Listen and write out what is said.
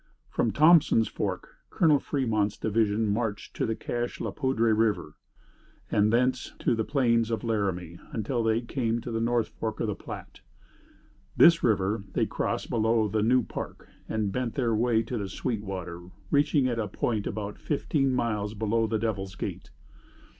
From Thompson's Fork Colonel Fremont's division marched to the Cache la Poudre River, and thence to the plains of Laramie until they came to the North Fork of the Platte. This river they crossed below the New Park and bent their way to the sweet water, reaching it at a point about fifteen miles below the Devil's Gate.